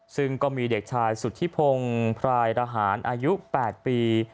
ซึ่งก็มีเด็กชายสุธิพงศ์พรายรหารอายุ๘ปี